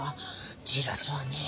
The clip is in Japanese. じらすわねぇ。